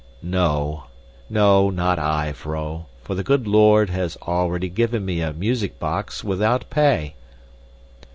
"No, no, not I, vrouw, for the good Lord has already given me a music box without pay."